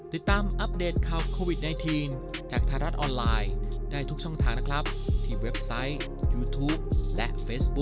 อัปเดตข่าวโควิด๑๙จากไทยรัฐออนไลน์ได้ทุกช่องทางนะครับที่เว็บไซต์ยูทูปและเฟซบุ๊